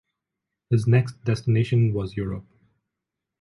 His next destination was Europe.